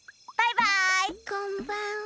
こんばんは。